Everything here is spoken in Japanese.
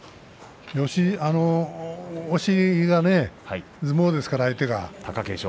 押し相撲ですから相手が。